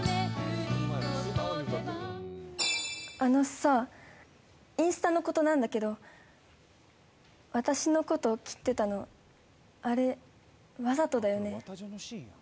あのさ、インスタのことなんだけど、私のこと、切ってたのあれ、わざとだよね？